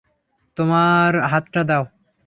তোমার হাতটা দাও!